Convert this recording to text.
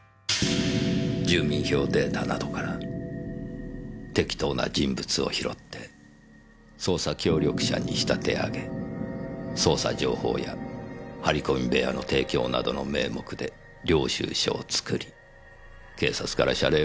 住民票データなどから適当な人物を拾って捜査協力者に仕立て上げ捜査情報や張り込み部屋の提供などの名目で領収書を作り警察から謝礼を支払った事にしたのでしょう。